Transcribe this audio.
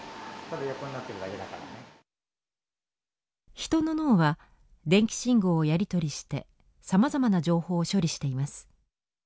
人の脳は電気信号をやり取りしてさまざまな情報を処理しています。